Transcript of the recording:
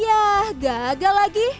yah gagal lagi